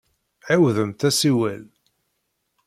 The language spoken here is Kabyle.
Ɛiwdemt asiwel.